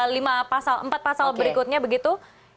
lima pasal empat pasal berikutnya begitu